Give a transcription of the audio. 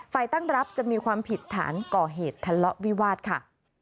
ตั้งรับจะมีความผิดฐานก่อเหตุทะเลาะวิวาสค่ะ